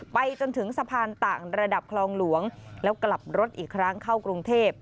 ไปจนถึงสะพานต่างระดับคลองหลวงแล้วกลับรถอีกครั้งเข้ากรุงเทพ